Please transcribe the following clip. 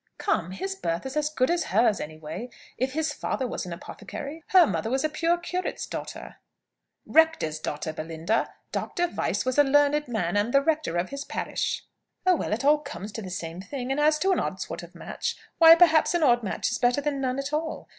"Come! his birth is as good as hers, any way. If his father was an apothecary, her mother was a poor curate's daughter." "Rector's daughter, Belinda. Dr. Vyse was a learned man, and the rector of his parish." "Oh, well, it all comes to the same thing. And as to an odd sort of match, why, perhaps, an odd match is better than none at all.